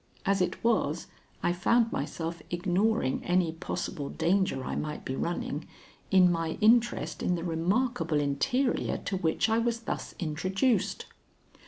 As it was, I found myself ignoring any possible danger I might be running, in my interest in the remarkable interior to which I was thus introduced.